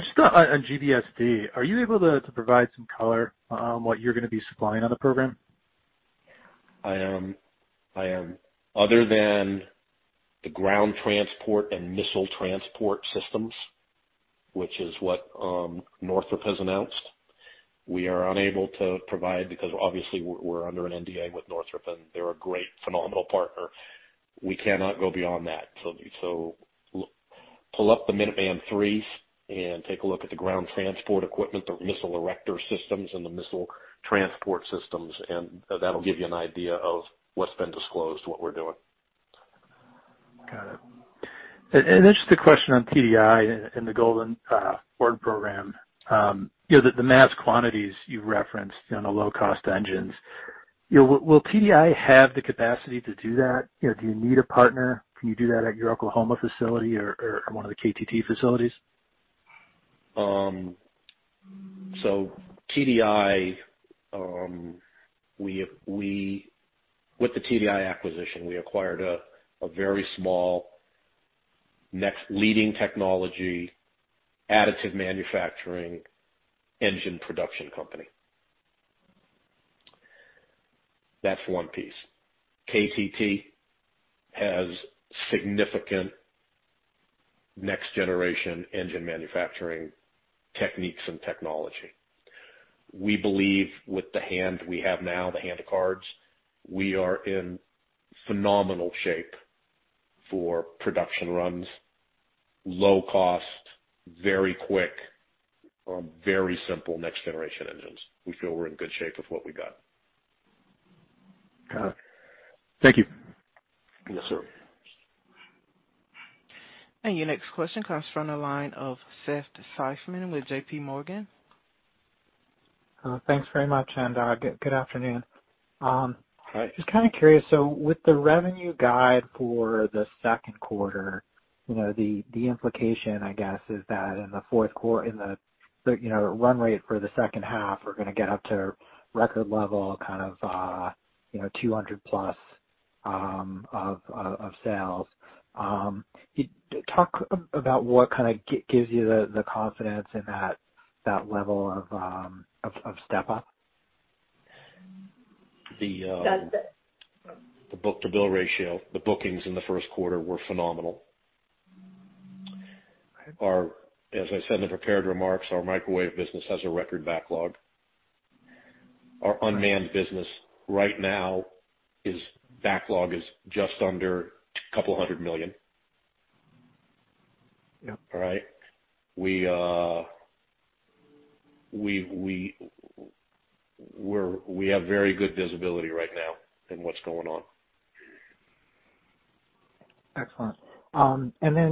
Just on GBSD, are you able to provide some color on what you're going to be supplying on the program? Other than the ground transport and missile transport systems, which is what Northrop has announced, we are unable to provide because obviously we're under an NDA with Northrop, and they're a great, phenomenal partner. We cannot go beyond that. Pull up the Minuteman III and take a look at the ground transport equipment, the missile erector systems, and the missile transport systems, and that'll give you an idea of what's been disclosed, what we're doing. Got it. Just a question on TDI and the Golden Horde program. The mass quantities you referenced on the low-cost engines, will TDI have the capacity to do that? Do you need a partner? Can you do that at your Oklahoma facility or one of the KTT facilities? With the TDI acquisition, we acquired a very small, next leading technology, additive manufacturing, engine production company. That's one piece. KTT has significant next generation engine manufacturing techniques and technology. We believe with the hand we have now, the hand of cards, we are in phenomenal shape for production runs, low cost, very quick, very simple next generation engines. We feel we're in good shape with what we got. Got it. Thank you. Yes, sir. Your next question comes from the line of Seth Seifman with JPMorgan. Thanks very much, and good afternoon. Hi. Just kind of curious. With the revenue guide for the second quarter, the implication, I guess, is that the run rate for the second half are going to get up to record level, kind of $200-plus of sales. Talk about what kind of gives you the confidence in that level of step up. The book-to-bill ratio. The bookings in the first quarter were phenomenal. As I said in the prepared remarks, our microwave business has a record backlog. Our unmanned business right now, backlog is just under $200 million. Yep. All right. We have very good visibility right now in what's going on. Excellent.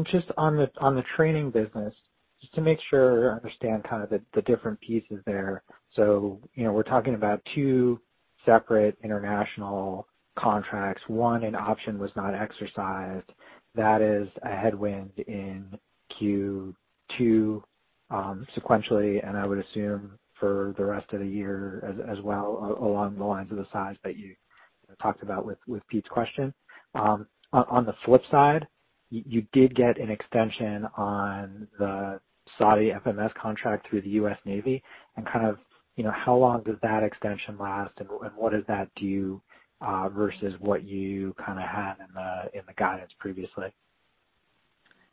Just on the training business, just to make sure I understand kind of the different pieces there. We're talking about two separate international contracts. One, an option was not exercised. That is a headwind in Q2 sequentially, and I would assume for the rest of the year as well, along the lines of the size that you talked about with Peter's question. On the flip side, you did get an extension on the Saudi FMS contract through the U.S. Navy. How long does that extension last and what does that do, versus what you had in the guidance previously?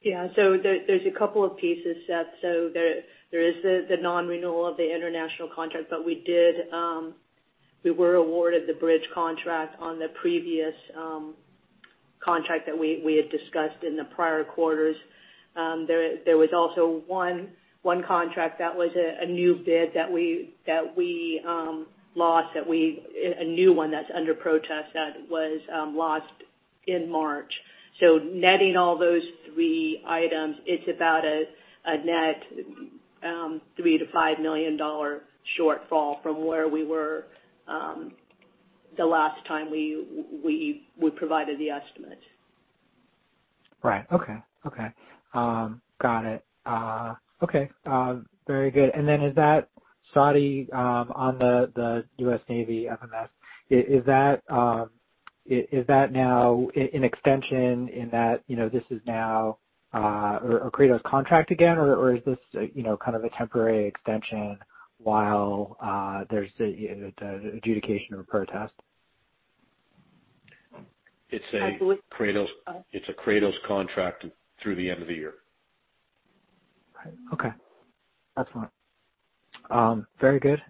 There's a couple of pieces, Seth. There is the non-renewal of the international contract, but we were awarded the bridge contract on the previous contract that we had discussed in the prior quarters. There was also one contract that was a new bid that we lost, a new one that's under protest, that was lost in March. Netting all those three items, it's about a net $3 million-$5 million shortfall from where we were the last time we provided the estimate. Right. Okay. Got it. Okay. Very good. Then is that Saudi, on the U.S. Navy FMS, is that now an extension in that this is now a Kratos contract again, or is this kind of a temporary extension while there's the adjudication or protest? It's a Kratos contract through the end of the year. Okay. Excellent. Very good.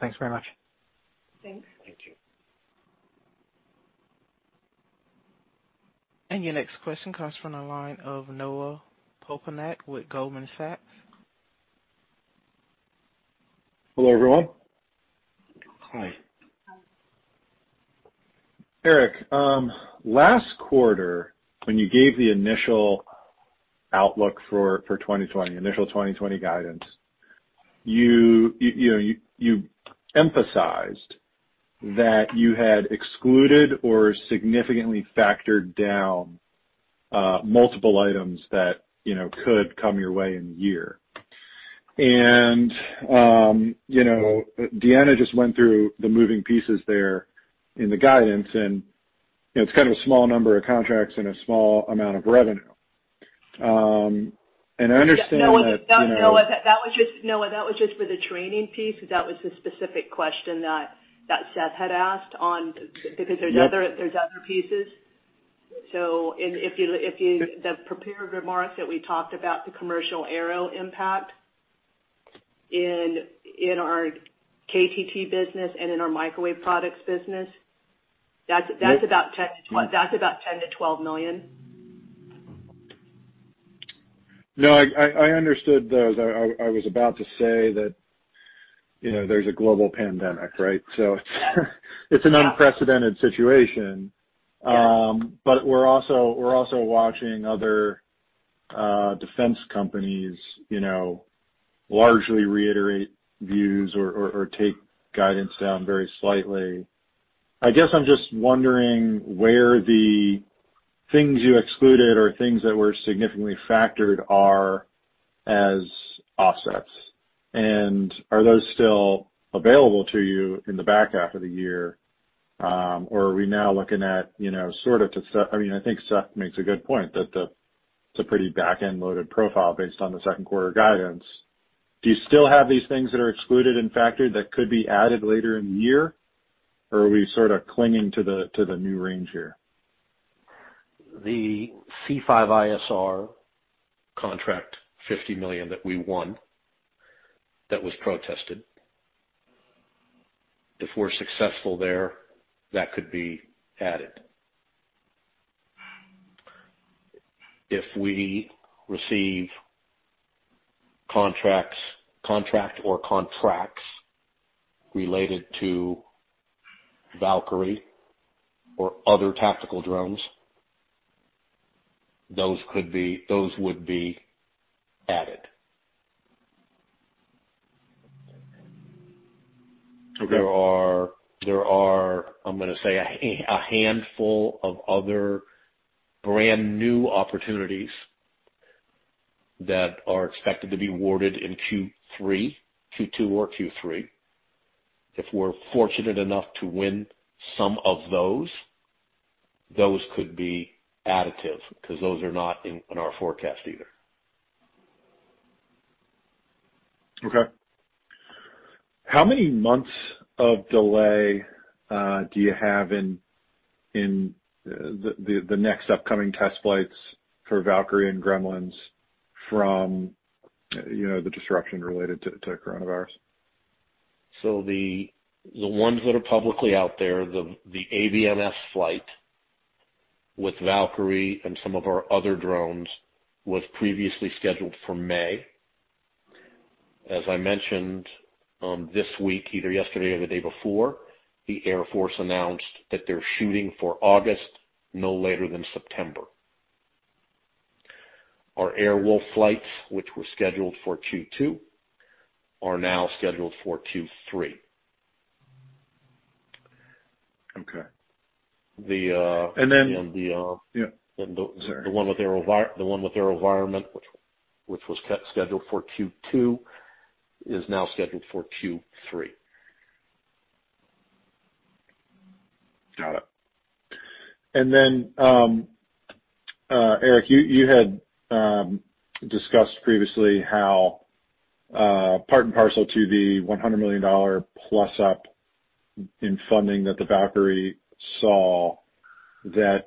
Thanks very much. Thanks. Thank you. Your next question comes from the line of Noah Poponak with Goldman Sachs. Hello, everyone. Hi. Hi. Eric, last quarter when you gave the initial outlook for 2020, initial 2020 guidance, you emphasized that you had excluded or significantly factored down multiple items that could come your way in the year. Deanna just went through the moving pieces there in the guidance, and it's kind of a small number of contracts and a small amount of revenue. I understand that- Noah, that was just for the training piece. That was the specific question that Seth had asked because there's other pieces. In the prepared remarks that we talked about the commercial aero impact in our KTT business and in our microwave products business, that's about $10 million-$12 million. No, I understood those. I was about to say that there's a global pandemic, right? It's an unprecedented situation. Yeah. We're also watching other defense companies largely reiterate views or take guidance down very slightly. I guess I'm just wondering where the things you excluded or things that were significantly factored are as offsets. Are those still available to you in the back half of the year? Are we now looking at sort of I think Seth makes a good point, that it's a pretty back-end loaded profile based on the second quarter guidance? Do you still have these things that are excluded and factored that could be added later in the year? Are we sort of clinging to the new range here? The C5ISR contract, $50 million that we won, that was protested. If we're successful there, that could be added. If we receive contract or contracts related to Valkyrie or other tactical drones, those would be added. Okay. There are, I'm going to say, a handful of other brand-new opportunities that are expected to be awarded in Q3, Q2 or Q3. If we're fortunate enough to win some of those could be additive because those are not in our forecast either. Okay. How many months of delay do you have in the next upcoming test flights for Valkyrie and Gremlins from the disruption related to coronavirus? The ones that are publicly out there, the ABMS flight with Valkyrie and some of our other drones, was previously scheduled for May. As I mentioned, this week, either yesterday or the day before, the Air Force announced that they're shooting for August, no later than September. Our Airwolf flights, which were scheduled for Q2, are now scheduled for Q3. Okay. The one with AeroVironment, which was scheduled for Q2, is now scheduled for Q3. Got it. Eric, you had discussed previously how part and parcel to the $100 million plus up in funding that the Valkyrie saw, that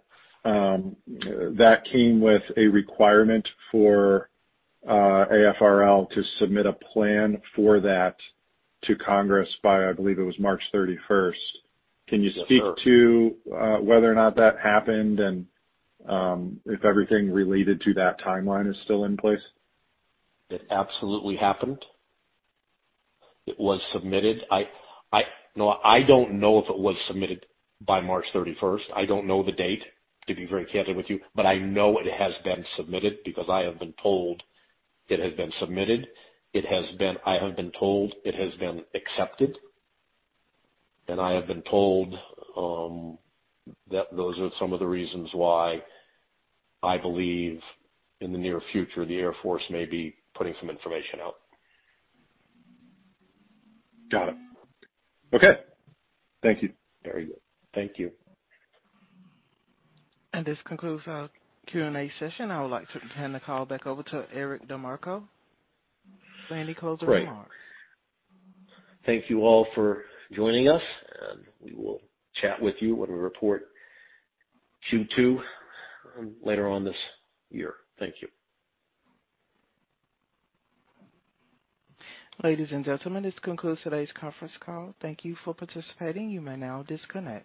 came with a requirement for AFRL to submit a plan for that to Congress by, I believe it was March 31st. Yes, sir. Can you speak to whether or not that happened and if everything related to that timeline is still in place? It absolutely happened. It was submitted. Noah, I don't know if it was submitted by March 31st. I don't know the date, to be very candid with you, but I know it has been submitted because I have been told it has been submitted. I have been told it has been accepted. I have been told that those are some of the reasons why I believe in the near future, the Air Force may be putting some information out. Got it. Okay. Thank you. Very good. Thank you. This concludes our Q&A session. I would like to hand the call back over to Eric DeMarco for any closing remarks. Great. Thank you all for joining us. We will chat with you when we report Q2 later on this year. Thank you. Ladies and gentlemen, this concludes today's conference call. Thank you for participating. You may now disconnect.